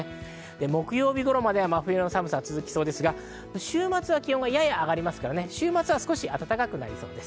木曜ころまでは真冬の寒さが続きそうですが、週末は気温がやや上がりますから暖かくなりそうです。